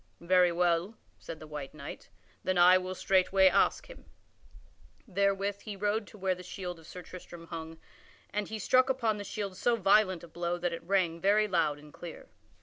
"Very well," said the white knight, "then I will straightway ask him." Therewith he rode to where the shield of Sir Tristram hung, and he struck upon the shield so violent a blow that it rang very loud and clear.